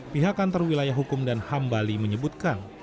pihak kantor wilayah hukum dan ham bali menyebutkan